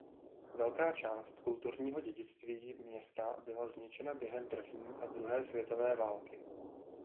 Velká část kulturního dědictví města byla zničena během první a druhé světové války.